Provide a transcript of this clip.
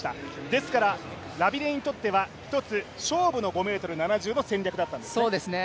ですから、ラビレニにとっては一つ勝負の５ｍ７０の戦略だったんですね。